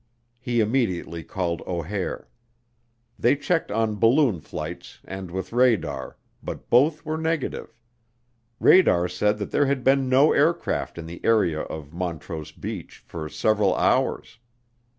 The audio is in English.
He immediately called O'Hare. They checked on balloon flights and with radar, but both were negative; radar said that there had been no aircraft in the area of Montrose Beach for several hours.